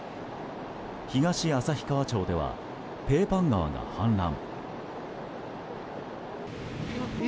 東旭川町ではペーパン川が氾濫。